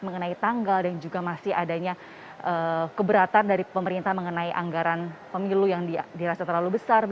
mengenai tanggal dan juga masih adanya keberatan dari pemerintah mengenai anggaran pemilu yang dirasa terlalu besar